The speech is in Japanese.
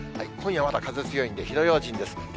今夜はまだ風強いので、火の用心です。